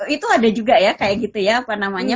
itu ada juga ya kayak gitu ya apa namanya